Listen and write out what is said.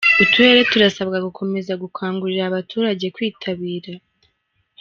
Uturere turasabwa gukomeza gukangurira abaturage kwitabira